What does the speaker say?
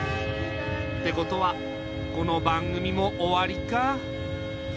ってことはこの番組も終わりか。